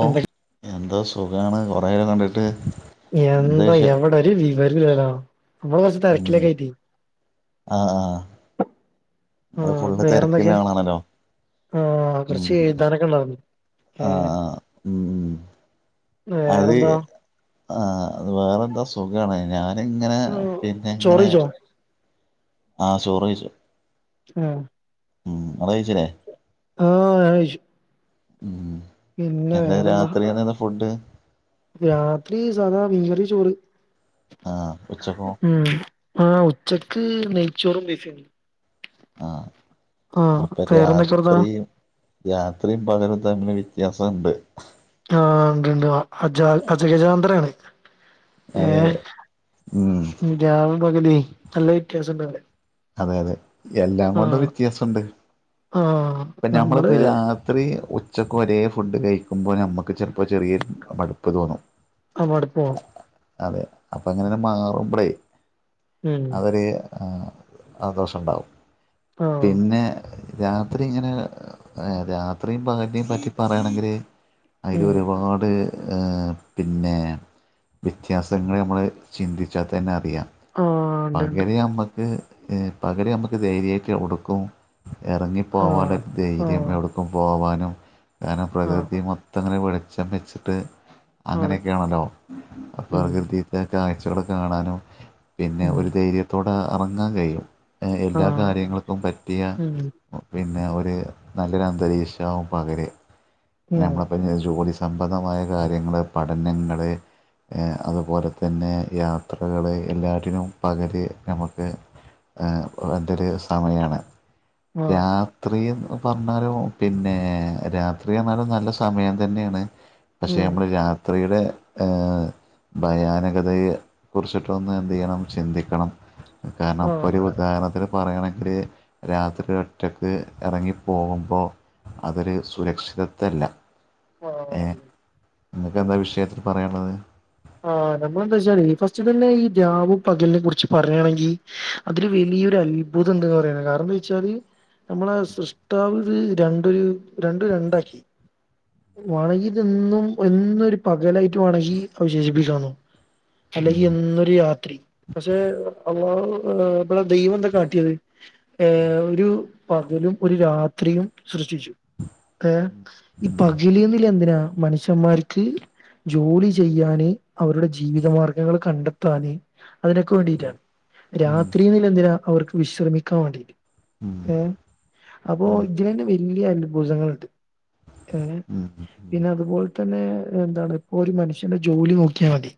ഓ എന്തോ സുഖാണ് കൊറെ കണ്ടിട്ട് എന്താ എവിട ഒരു വിവരുല്ലല്ലോ നമ്മള് കൊറച്ച് തെരക്കിലെക്കെ ആയിട്ട് അആ ആ വേറെന്തൊക്കെ ആളാണല്ലോ ആ കൊറച്ച് എഴുതാനൊക്കെ ഒണ്ടാർന്നു ആ ആ അത് വേറെന്താ ആഹ അത് വേറെ എന്തോ അസുഖാണേ ഞാനിങ്ങനെ ഉം, പിന്നെ ചോറ് എങ്ങനെ കഴിച്ചോ ആ ചോറ് കഴിച്ച് ആ ആ [inaudible] ഉം പിന്നെ എന്താ വേറെന്താ രാത്രി [unintelligible] ഫുഡ് രാത്രി സാദാ മീൻകറി ചോറ് ആഹ് ഉച്ചക്കോ ഉം ആ ഉച്ചക്ക് നെയ്ച്ചോറും ബീഫും ആണ് ആ അപ്പ വേറെന്തൊക്കെ വർത്താനം? രാത്രിയും രാത്രീം പകലും തമ്മി വ്യത്യാസംമുണ്ട് ആ ഉണ്ട് ഉണ്ട് അ അച്ചാറ് അജകജാന്ന്ദ്രാണ് ഏ അതെ അതെ ഉം ജാവും പകല് നല്ല വ്യത്യാസംണ്ടാവൂല്ലെ അതെ അതെ എല്ലാം കൊണ്ടും വ്യത്യാസുണ്ട് ആ ഇപ്പ നഞമ്മളിപ്പോ നമ്മള് ഇത് രാത്രി ഉച്ചക്കുഒരേ ഫുഡ് കഴിക്കുമ്പോൾനമ്മ നമുക്ക് ചെലപ്പോ ചെറ്യേ മടുപ്പ് തോന്നും ആ മടുപ്പ് അതെ അപ്പം ഇങ്ങനെന മാറുമ്പളെ ഉം അതൊര് ആ ആ ദോഷോണ്ടാവും ആഹ് പിന്നെ രാത്രി ഇങ്ങനെ ആ രാത്രീം പകലിനേം പറ്റി പറയാണെങ്കില് ഉം അയിലൊരുപാട് ആ പിന്നെ വ്യത്യാസങ്ങള് നമ്മള് ചിന്തിച്ചാ തന്നെ അറിയാം ആഹ് ഇണ്ട് ഇണ്ട് പകരം അമ്മക്ക് പകരം നമ്മക്ക് ധൈര്യക്ക കൊടുക്കും ഇറങ്ങി പോകാന് ആഹ് ധൈര്യം ആഹ് എവിടക്കും പോവാനും കാരണം ആഹ് പ്രകൃതി മൊത്തംങ്ങനെ വെളിച്ചം വെച്ചിട്ട് ആണ് അങ്ങനെയൊക്കെയാണല്ലോ ഉം പ്രകൃതിത്തെ കാഴ്ചകള് കാണാനും പിന്നെ ഉം ഒരു ധൈര്യത്തോടെ ഇറങ്ങാൻ കഴിയും എല്ലാ ആഹ് കാര്യങ്ങൾക്കും പറ്റിയ ഉം പി ന്നേ നല്ലൊരുന്തരീക്ഷവും പകര് ഉം നമ്മോളിപ്പം ജ്യോതിഷ സംബന്ധമായ കാര്യങ്ങള് പഠനങ്ങളെ അതുപോലെ തന്നെ യാത്രകള് എല്ലാറ്റിനും പകല് നമുക്ക് എന്തൊരു സമയമാണ് ആഹ് രാത്രി എന്ന് പറഞ്ഞാലും പിന്നെ രാത്രി എന്നന്നാലും നല്ല സമയം തന്നെയാണ് പക്ഷെ ഉം നമ്മള് രാത്രിയുടെ ഭയാനകതയെ കുറിച്ചിട്ടൊന്ന് എന്ത് ചെയ്യണം ചിന്തിക്കണം കാരണം ഒരു ആഹ് ഉദാഹരണത്തിന് പറയണെങ്കില് രാത്രി ഒറ്റക്ക് ഇറങ്ങി പോകുമ്പോൾ അതൊരു സുരക്ഷിതത്വല്ല ആണ് നിങ്ങൾക്ക്ന്താ വിഷയം പറയാനുള്ളത് ആഹ് നമ്മളെന്താ വെച്ചാ ഫസ്റ്റ് തന്നെ ഈ രാവു പകലിനെ കുറിച്ച് പറയുകയാണെങ്കിൽ അതില് വ വലിയ ഒരു അത്ഭുതമുണ്ട് എന്ന് പറയുന്നു കാരണം എന്താ വെച്ചാല് നമ്മളെ സൃഷ്ടാവത് രണ്ടരു രണ്ടു രണ്ടാക്കി വേണങ്കി ഇത് എന്നും എന്ന് ഒരു പകലായിട്ട് വേണമെങ്കി അവശേഷിപ്പിക്കാന്നു അല്ലെങ്കിൽ ഉം എന്നൊരു യാത്രി പക്ഷെ ഇപ്പള് ദൈവം എന്താ കാട്ടിയത് ഏഹ് ഒരു പകലും ഒരു രാത്രിയും സൃഷ്ടിച്ചു ഏഹ് ഈ ഉം പകലന്നില എന്തിനാ മനുഷ്യന്മാർക്ക് ജോലി ചെയ്യാന് അവരുടെ ജീവിതമാർഗങ്ങൾ കണ്ടെത്താന് അതിനൊക്കെ വേണ്ടിയിട്ടാണ് ഉം രാത്രി നിലെന്തിന അവർക്ക് വിശ്രമിക്കാൻ വേണ്ടിയിട്ട് ഉം ഹ് അപ്പോ ഉം ഇതിലെ തന്നെ വലിയ അൽഭുതങ്ങളുണ്ട് ഏഹ് ഉം പിന്നെ ഉം അതുപോലെ തന്നെ എന്താണ് ഇപ്പൊ ഒരു മനുഷ്യന്റെ ജോലി നോക്കിയാൽ മതി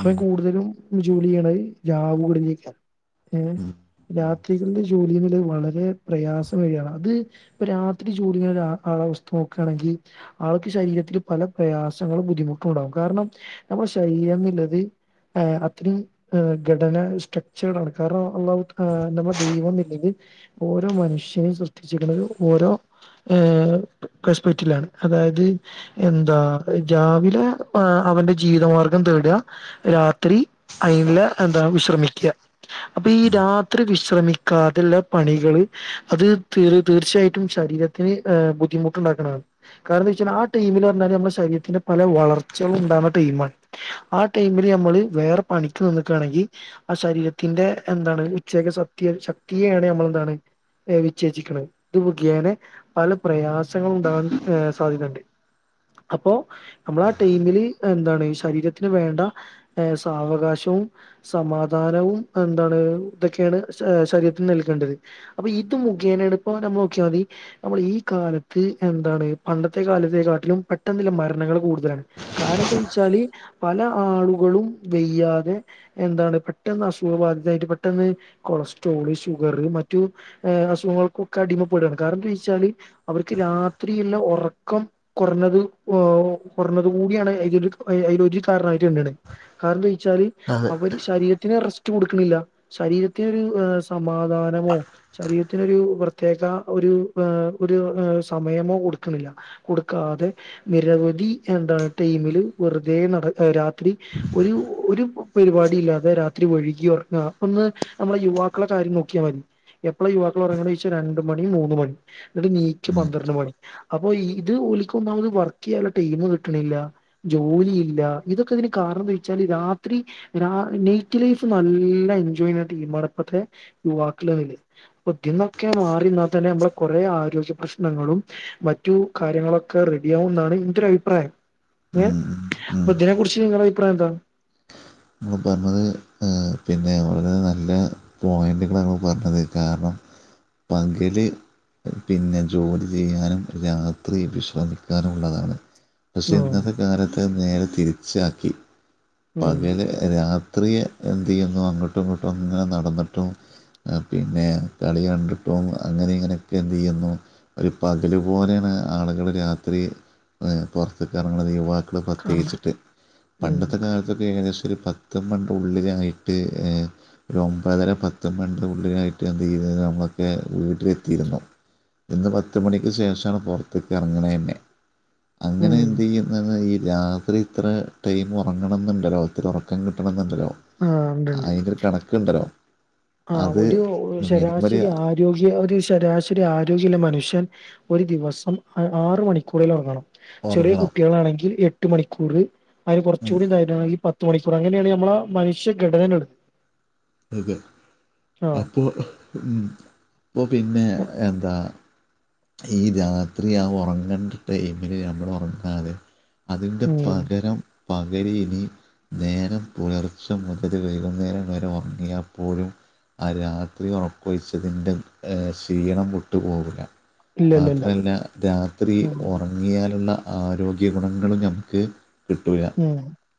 അവൻ കൂടുതലും ജോലി ചെയ്യണ രാവു കടഞ്ഞക്കാണ് ഏഹ് ഉം ഉം രാത്രികളിൽ ജോലികളിൽ വളരെ പ്രയാസം വഴിയാണ് അത് ഇപ്പ രാത്രി ജോലി ആ അവസ്ഥ ണെങ്കിൽ ആൾക്ക് ശരീരത്തിൽ പല പ്രയാസങ്ങളും ബുദ്ധിമുട്ടും ഉണ്ടാകും കാരണം നമ്മുടെ ശരീരം [unintelligible] ആഹ് അത്രയും ഘടന സ്ട്രക്ചർഡ് നടക്കാറുള്ള നമ്മുടെ ദൈവന്നില്ലെങ്കിൽ ഓരോ മനുഷ്യനും സൃഷ്ടിചെക്കുന്ന ഓരോ ഏഹ് റേസ്പറ്റിലാണ് അതായത് എന്താ രാവിലെ അവന്റെ ജീവിതമാർഗം ത വിടുക രാത്രി [unintelligible] എന്താ വിശ്രമിക്കുക [inaudible] അപ്പൊ ഈ രാത്രി വിശ്രമിക്കാതുള്ള പണികള് അത് തീർ തീർച്ചയായിട്ടും ശരീര ത്തിന് ബുധിമു ക്കണേത് കാരണം എന്താ വെച്ചാൽ ആ ടീമില് പറഞ്ഞാല് നമ്മുടെ ശരീരത്തിന്റെ പല വളർച്ചകള് ഉണ്ടാവുന്ന ടൈമാണ് ആ ടൈമിൽ നമ്മള് വേറെ പണിക്ക് നിക്കുകയാണെങ്കിൽ ആ ശരീരത്തിന്റെ എന്താണ് ഉച്ചയക്ക് ക്ക് ശക്തിയാണ് നമ്മളെന്താണ് വിച്ഛേജിക്കുന്നത് ഇത് മുഖ്യനെ പല പ്രയാസ പ്രയാസങ്ങൾ ഉണ്ടാകാൻ സാധ്യതണ്ട് അപ്പോ നമ്മള് ടൈംല് എന്താണ് ശരീരത്തിന് വേണ്ട സാവകാശവും സമാധാനവും എന്താണ് ഇതൊക്കെയാണ് ശരീരത്തിന് നൽകേണ്ടത് അപ്പോയി മുഖേന എടുപ്പ നമ്മൾ നോക്കിയൽ മതി നമ്മൾ ഈ കാല എന്താണ് പണ്ടത്തെ ത്ത് ത്ത് ത്ത് പണ്ടത്തെകാലത്തെക്കാട്ടിലും പെട്ടെന്നില്ല മരണങ്ങളൾ കൂടുതലാണ് കാരണം എന്താ വച്ചാല് പല ആളുകളും വയ്യാതെ എന്താണ് പെട്ടെന്ന് അസുഖ ബാധിതായിട്ട് പെട്ടെന്ന് കൊളസ്ട്രോള് ഷുഗർ മറ്റുഏ അസുഖങ്ങൾക്കൊക്കെ അടിമപ്പെടുകാണ് കാരണം എന്ത വെച്ചാല്. അവർക്ക് രാത്രിയല്ല ഉറക്കം കുറഞ്ഞത് കുറഞ്ഞത് കൂടിയാണ് അ. അ കാരട്ടാണ് കാരണംന്താച്ചാല് അവര് ശരീരത്തി- ടുക്കില്ല ശരീരത്തിനരു സമാധാനമോ ശരീരത്തിനരു പ്രത്യേക ഒരു - ആ. ഒരു സമയമോ കൊടുക്കണില്ല കൊടുക്കാതെ നിരവധി എന്താണ് ടൈമില് വെറുതെ നട രാത്രി ഒരു ഒരു പരിപാടി ഇല്ലാതെ രാത്രി ഒഴുകിറങ്ങ ഒ നമ്മളെ യുവാക്കളെ കാര്യം നോക്കിയാൽ മതി എപ്പോഴ യുവാക്കൾ ഉറങ്ങ ച രണ്ട മണി മൂന്ന് മണി നീക്ക പന്ത്ര പണി അപ്പൊ ഇത് ഒഓലിക്കന്നാത് വർക്ക് ചെയ്യുള്ള ടീം കിട്ടണില്ല ജോലിയില്ല ഇതൊക്കെ ഇതിന് കാരണംച്ചാൽ രാത്രി നൈറ്റ് ലൈഫ് നല്ല- ഈ മടപ്പത്തെ യുവാക്ക അൊന്നൊക്കെ മാറിനിന്നാൽ തന്നെ നമ്മ കൊറ ദ്യ പ്രശ്നങ്ങളും മറ്റു കാര്യങ്ങളൊക്കെ റെഡിയാവും എന്നാണ് എന്റെ ര ഭിപ്രായം ഉം അപ്പൊ ഇതിനെ കുുറിച്ച് നിങ്ങള അഭിപ്രായം എന്താണ്? നമ്മൾ പറഞ്ഞത് പിന്നെ വളരെ നല്ല പോയിന്റുകളാണ് പറഞ്ഞത് കാരണം പങ്കല് പിന്നെ ജോലി ചെയ്യാനും രാത്രി വിശ്രമിക്കാനുംള്ളതാണ് പക്ഷെ ഓഹ് ഇന്നത്തെ കാലത്ത് നേരെ തിരിച്ചാക്കി ഉം പകല് രാ- ത്രി എന്തു ചെയ്യുന്നു അങ്ങോട്ടും ഇങ്ങോട്ടും അങ്ങനെ നടന്നിട്ടും പിന്നെ കളി കണ്ടിട്ടും അങ്ങനെ ഇങ്ങനെയൊക്കെ എന്ത് ചെയ്യുന്നു ഒരു പകല് പോലെയാണ് ആളുകൾ രാത്രി പുറത്തേക്കു ഇറങ്ങണത് മക്കും കാണാം പ്രത്യകിച്ചിട്ട് ഉം പണ്ടത്തെ കാലത്തൊക്കെ ഏകദശ- പത്തും പണ്ട ഉള്ളിലായിട്ട് ഒമ്പതര പത്തും പ ഉള്ളിലായിട്ട് എന്ത് ചെയ്യും അത് നമ്മളൊക്കെ വീട്ടിലെത്തിയിരുന്നു ഇന്ന് പത്ത് മണിക്ക് ശേഷമാണ് പുറത്തേക്ക് ഇറങ്ങണന്നെ അങ്ങനെ ഉം എന്ത് ചെയ്യുന്ന ഈ രാത്രി ഇത്ര ടൈം ഉറങ്ങണം എന്നുണ്ടല്ലോ ഒത്തിരി ഉറക്കം കിട്ടണം എന്നുണ്ടല്ലോ ആഹ് ഉണ്ട്ണ്ട് അയിനോരു കണക്കുണ്ടല്ലോ ആ അത് ഒരു മിനിമം ഒരു ശരാശരി ആരോഗ്യ ഒരു ശരാശരി ആരോഗ്യുള്ള മനുഷ്യൻ ഒരു ദിവസം ആറ് മണിക്കൂറൽ ഉറങ്ങണം ചെറിയ ഉറങ്ങണം കുട്ടികളാണെങ്കിൽ എട്ട് മണിക്കൂർ അതിന് ഉം, കുറച്ചുകൂടി താനാകി പ ത്ത് മണിക്കൂർ അങ്ങനെയാണ് നമ്മള മനുഷ്യഘടനകൽ തെ അപ്പോ ഉം അപ്പോ പിന്നെ എന്താ ഈ രാത്രി ആ ഉറങ്ങേണ്ട ടൈമില് നമ്മള് ഉറങ്ങാതെ അതിൻ്റെ ഉം പകരം പകരി ഇനി നേരം പുലർച്ച മുതൽ വൈകുന്നേരം വരെ ഉറങ്ങിയപ്പോഴും ആ രാത്രി ഉറക്കൊഴിച്ചതിൻ്റെ ക്ഷീണം വിട്ടു പോവില്ല ഇല്ല ഇല്ല ഇല്ല മാത്രല്ല രാത്രി ഉം ഉറങ്ങിയാലുള്ള ആരോഗ്യ ഗുണങ്ങള നമുക്ക് കിട്ടില്ല ഉം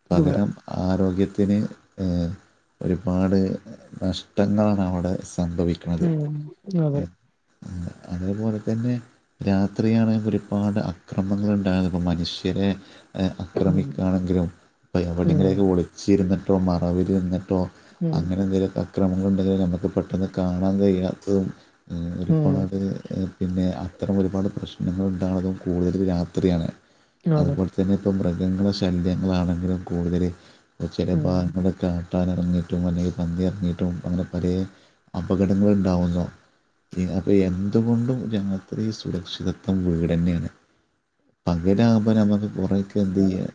കിട്ടൂല പകരം ആരോഗ്യ- ത്തിന് ഒരുപാട് നഷ്ടങ്ങളാണ് അവിടെ സംഭവിക്കുന്നത് ഉം അതെ അതേപോലെ തന്നെ രാത്രിയാണെങ്കിൽ ഒരുപാട് അക്രമങ്ങ ഉണ്ടായിന്നത് ഇപ്പോൾ മനുഷ്യരെ ഉം ആക്രമിക്കാണെങ്കിലും അപ്പോൾ ഉം എവിടെയെങ്കിലെയൊക്കെ ഒളിച്ചിരുന്നിട്ടോ മറവിലിരുന്ന് കട്ടോ ഉം അങ്ങനെ എന്തെങ്കിലും അക്രമങ്ങൾ ഉണ്ടെങ്കിൽ നമുക്ക് പെട്ടെന്ന് കാണാൻ കഴ്യാത്തതും ഉം ഒരുപാട് പിന്നെ അത്തരം ഒരുപാട് പ്രശ്നങ്ങളുണ്ടാണതും കൂടുതൽ രാത്രിയാണ് ആണ് അതുപോലെ തന്നെ ഇപ്പം മൃഗങ്ങളുടെ ശല്യങ്ങളാണെങ്കിലും കൂടുതൽ ചില ഉം ഭാഗങ്ങളൊക്കെ കട്ടാനറങ്ങീറ്റും അല്ലെങ്കിൽ പണ്ണി ഇറങ്ങീട്ടും അങ്ങനെ പലേ അപകടങ്ങള ഉണ്ടാവുന്നു അപ്പൊ എന്തുകൊണ്ടും ഞങ്ങത്ര സുരക്ഷിതത്വം വീട്ന്നെയാണ് പങ്കിട ആകുമ്പോ നമ്മുക്ക് കുറെക്കെ എന്ത് ചെയ്യ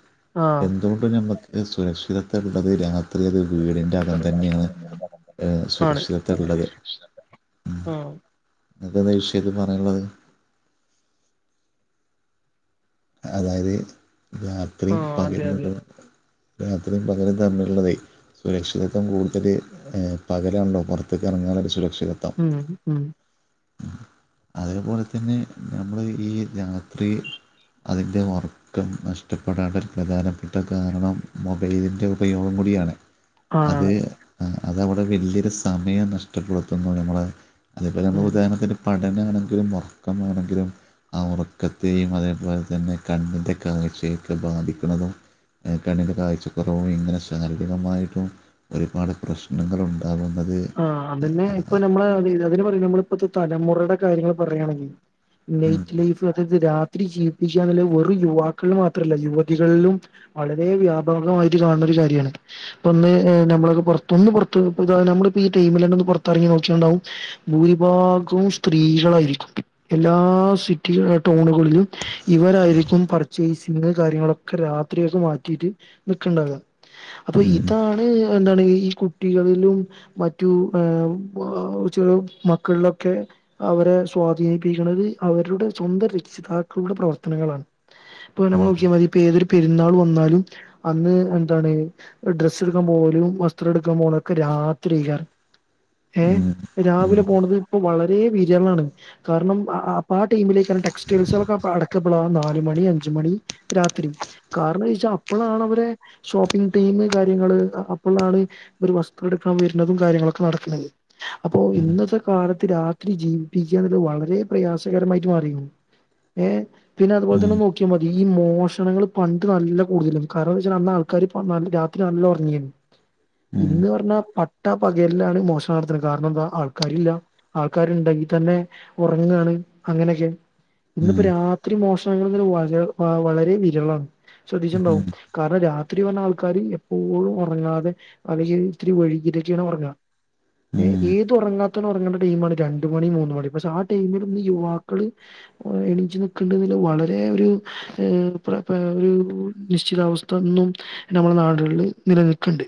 ആ എന്തുകൊണ്ടും നമ്മക്ക് സുരക്ഷിതത്വമുള്ള രാത്രി അത് വീടിന്റെ അകം തന്നെയാണ് സുരക്ഷിതത്തിലുള്ളത് ആഹ് [unintelligible] പറയാന്ള്ളത് അതായത് ആ രാത്രീം അതെ പകലും അതെ രാത്രിയും പകലും തമ്മിലുള്ളതെ സുരക്ഷിതത്വം കൂടുതൽ ഏഹ് പകലാണല്ലോ പൊറത്ത്ക്ക് ഇറങ്ങാന മ് മ് അതേപോലെ തന്നെ നമ്മള് ഈ രാത്രി അതിൻ്റെ ഒറക്കൊക്കെ നഷ്ടപ്പെടാന്ള്ള പ്രധാനപ്പെട്ട കാരണം മൊബൈലിൻ്റെ ഉപയോഗം കൂടിയാണ് അത് ആണാണ് അതവിടെ വലിയൊരു സമയം നഷ്ടപ്പെടുത്തുന്നു നമ്മളെ അതേപോെലെ ഉം ഉദാഹരണത്തിന് പ നാണെങ്കിലും ഉറക്കമാണെങ്കിലും ആ ഉറക്കത്തെയും അതേപോലെ തന്നെ കണ്ണിൻ്റെ കാഴ്ചയൊക്കെ ബാധിക്കണതും കണ്ണിന്റെ കാഴ്ചക്കുറവും ഇങ്ങനെ ശാരീരികമായിട്ടും ഒരുപാട് പ്രശ്നങ്ങളും ആ അതന്നെ ഇപ്പൊ നമ്മള് അതിന് പറയുലെ നമ്മളിപ്പത്തെ തലമുറടെ കാര്യങ്ങൾ പറയാണെങ്കി ഉം നൈറ്റ് ലൈഫ് അതായത് രാ ഒത്തിരി ജീവിപ്പിക്കുക എന്ന വെറു യുവാക്കളിൽ മാത്രല്ല യുവതികളിലും വളരെ വ്യാപകമായിട്ട് കാണ [unintelligible] ഈ ടൈമിലെന്നെ ഒന്ന് പുറത്തിറങ്ങി നോക്കിയണ്ടാവും ഭൂരിഭാഗവും സ്ത്രീകളായിരിക്കും എല്ലാ അ സിറ്റികൾ ടൗണുകളിലും ഇവരായിരിക്കും പർച്ചേസിങ്ങ് കാര്യങ്ങളൊക്കെ രാത്രിയൊ [unintelligible] മാറ്റീട്ട് ന്ക്കണ്ടാക അപ്പൊ ഉം ഇതാണ് എന്താണ് ഈ കുട്ടികളിലും മറ്റു ഏഹ് ചെ മക്കളിലൊക്കെ അവരെ സ്വാധീനിപ്പിക്കണത് അവരുടെ സ്വന്തം രക്ഷിതാക്കളുടെ പ്രവർത്തനങ്ങളാണ് ഇപ്പൊ നമ്മൾ ഉം നോക്കിയാൽ മതി ഏതൊരു പെരുന്നാൾ വന്നാലും അന്ന് എന്താണ് ഡ്രസ്സ് എട്ക്കാൻ പോകലും വസ്ത്രം എട്ക്കാൻ പോണതൊക്കെ രാത് [unintelligible] ഏഹ് ഉം ഉം രാവിലെ പോണത് ഇപ്പോ വളരെ രേ വിരളാണ് കാരണം അപ്പ ആ ടീമിലയ്ക്കാരം ടെക്സ്റ്റൈൽസളൊക്കെ അടക്ക എപ്പളാ നാല് മണി അഞ്ചു മണി രാത്രി കാരണെയ്ച്ച അപ്പളാണവരെ ഷോപ്പിംഗ് ടൈമ് കാര്യങ്ങള് [unintelligible] ഒരു വസ്ത്രം വര്ണതും കാര്യങ്ങളൊക്കെ നടക്കണെ അപ്പൊ ഉം ഇന്നത്തെ കാലത്ത് രാത്രി ജീവിപ്പിക്ക എന്നത് വളരെ പ്രയാസകരമായിട്ട് മാറീ ഏ പിന്നെ അതുപോലെ ഉം തന്നെ നോക്കിയാ മതി ഈ മോഷണങ്ങൾ പണ്ട് നല്ല കൂടുതലും കാരണ [unintelligible] ആൾ ക്കാര് പറഞ്ഞ രാത്രി നല്ല ഒറങ്ങീന്നു അതെ ഇന്ന് അതെ പറഞ്ഞാ പട്ടാ പകലിലാണ് മോഷണം നടത്തണെ കാരണം ന്താ ആൾക്കാരില്ല ആൾക്കാര്ണ്ടെങ്കി തന്നെ ഒറങ്ങ അങ്ങനെയൊക്കെ ഇന്നിപ്പോ രാത്രി മോഷണങ്ങൾ വര വളരെ വിരളാണ് ശ്രദ്ധിച്ചിണ്ടാവും കാരണം രാ [unintelligible] പറഞ്ഞ ആൾക്കാര് എപ്പോഴും ഒറങ്ങാതെ അല്ലെങ്കിൽ ഇത്തിരി വൈകിട്ടൊക്കെണ് ഒറങ്ങ ഏഹ് ഏത് ഒറങ്ങാത്തൊനും ഒറങ്ങണ്ട ടൈമാണ് രണ്ട് മണി മൂന്ന് മണി പക്ഷെ ആ ടൈമിലും യുവാക്കള് എണീച്ചു ന്ക്ക്ണ്ടെങ്കിൽ വളരെ ഒരു ഒരു നിശ്ചിതാവസ്ഥ ഒന്നും നമ്മളെ നാട്കളില് നിലനിക്ക്ണ്ട്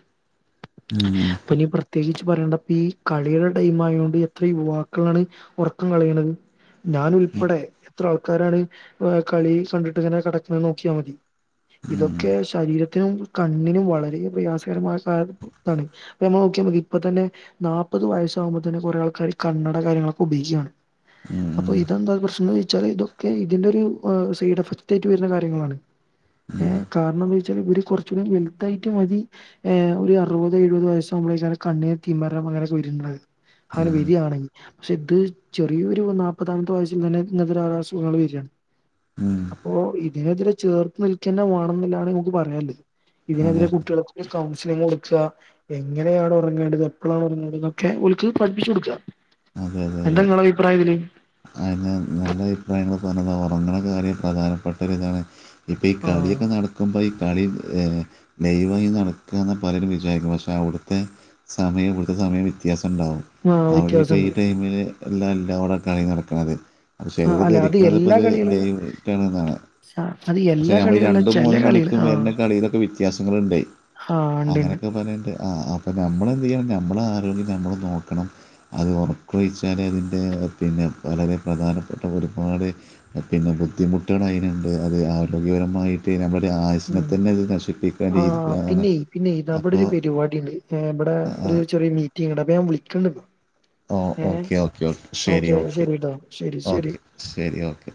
പ്രത്യേകിച്ച് പറയണ്ട പ്പീ കളീടെ ടൈം ആയോണ്ട് എത്ര യുവാക്കളാണ് ഒറക്കം കളയണത് ഞാൻ ഉൽപ്പടെ എത്ര ആൾക്കാരാണ് കളി കണ്ടിട്ട്ങ്ങനെ കെടക്ക്ണെ നോക്കിയാ മതി ഇതൊക്കെ ശരീരത്തിനും കണ്ണിനും വളരെ പ്രയാസകരമായ [unintelligible] താണ് പ്പമ്മ നോക്കിയമതി ഇപ്പത്തന്നെ നാപ്പത് വയസ്സാകുമ്പോ തന്നെ കുറെ ആൾക്കാർ കണ്ണട കാര്യങ്ങളൊക്കെ ഉപയോഗിക്കാണ് അപ്പൊ ഇത [unintelligible] ന്നച്ചാൽ ഇതൊക്കെ ഇതിന്റൊരു ഏഹ് സൈഡ് എഫക്റ്റ് ആയിട്ട് വര്ണ കാര്യങ്ങളാണ് ഏഹ് കാരണന്നയ്ച്ചാൽ ഇവര് കുറച്ചൂടെ വെൽതായിട്ട് മതി ഏഹ് ഒര് അറുപതോ എഴുപതൊ വയ യ്ച്ചാൽ കണ്ണിന് തിമരം അങ്ങനൊക്കെ വെര്ന്നത് അങ്ങനെ വരിയാണെങ്കി പക്ഷെ ഇത് ചെറിയൊരു നാപ്പതാമത്തെ വയസ്സിൽ തന്നെ ഇങ്ങൻതോരോ അസുഖങ്ങൾ വരി അപ്പോ ഇതിനെതിരെ ചേർത്ത് നിൽക്കെന്നെ വേണന്നില്ലാണ് മ്മക്ക് പറയാ [unintelligible] ഇതിനെതിരെ കുട്ടികൾകൊക്കെ കൗൺസിലിങ് കൊടുക്ക എങ്ങനെയാണ് ഒറങ്ങേണ്ടത് എപ്പളാണ് ഒറങ്ങേണ്ടെന്നൊക്കെ ഓൽക് പഠിപ്പിച്ചു കൊടുക്ക എന്താ നിങ്ങളെ അഭിപ്രായതിൽ അതന്നെ നല്ല അഭിപ്രായങ്ങൾ പറഞ്ഞുന്നത് ഉറങ്ങണ കാര്യൽ പ്രധാനപ്പെട്ടതാണ് ഇപ്പം ഈ ആഹ് കളിയൊക്കെ നടക്കുമ്പോൾ ഈ കളി ലൈവായി നടക്കുക എന്ന പലരും വിചാരിക്കും പക്ഷെ അവിടുത്തെ സമയം ഇവിടുത്തെ സമയം വ്യത്യാസംണ്ടാവും ആഹ് അവര്പ്പ ഈ വ്യത്യാസണ്ട് ടൈമില് എല്ലാം എല്ലവിടെ കളി നടക്കണുന്നത് അപ്പ ആഹ് ചിലര് അല്ല ധരിക്കണത് ഇപ്പ എല്ലാ അത് കളികളിലും ലൈട്ടാണ്ന്നതാണ് ആഹ് അത് പക്ഷെ എല്ലാ ഞമ്മളീ കളികളിലും രണ്ടു ചെല മൂന്ന് കളികള് മണിക്കും ആഹ് വരുന്ന കളിയിലൊക്കെ വ്യത്യാസങ്ങൾ ഉണ്ടേ ആഹ് ഇണ്ട്ണ്ട് അങ്ങനെയൊക്കെ പറഞ്ഞണ്ട് അപ്പൊ നമ്മൾ എന്ത് ചെയ്യണം. നമ്മള ആരോഗ്യം നമ്മൾ നോക്കണം അത് ഉറക്ക ഒഴിച്ചാൽ അതിൻ്റെ പിന്നെ വളരെ പ്രധാനപ്പെട്ട ഒരുപാട് പിന്നെ ബുദ്ധിമുട്ടുക അതിനുണ്ട് അത് ആരോഗ്യപരമായിട്ട് നമ്മുടെ ആയുസ്സിനെ ഉം തന്നെ അത് നശിപ്പിക്കുന്ന ആ രീതിയിലാണ് പിന്നെ പിന്നെ അവിട ഒര് അപ്പോൾ പരിപാടി ഉണ്ട് എ ഇവിടെ ഒരു ചെറിയ മീറ്റിംഗ് ഉണ്ട് അപ്പൊ വിളിക്കണ്ട് ഓ ഏഹ് ഓക്കേ ഓക്കേ ഓക്കേ ശരി ഓക്കെ ശരിട്ടോ ശരി ശരി ഓക്കെ ശരി ഓക്കെ